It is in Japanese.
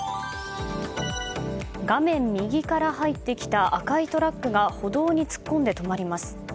画面右から入ってきた赤いトラックが歩道に突っ込んで止まります。